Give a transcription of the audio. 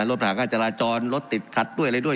รถถ่ายงานจราจรรถติดขัดด้วยอะไรด้วย